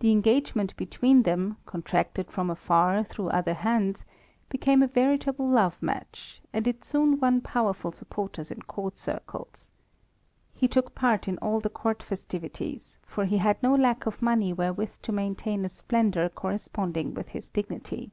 The engagement between them contracted from afar through other hands, became a veritable love match, and it soon won powerful supporters in Court circles. He took part in all the court festivities, for he had no lack of money wherewith to maintain a splendour corresponding with his dignity.